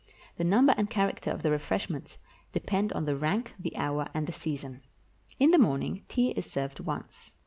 The number and character of the refreshments depend on the rank, the hour, and the season. In the morning tea is served once.